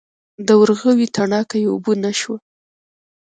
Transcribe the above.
د ورغوي تڼاکه یې اوبه نه شوه.